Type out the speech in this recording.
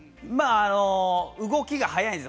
動きが早いんです。